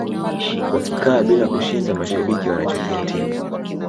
wakikaa bila kushinda mashabiki wanachukia timu